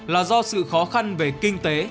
là do sự khó khăn về kinh tế